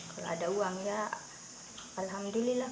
kalau ada uang ya alhamdulillah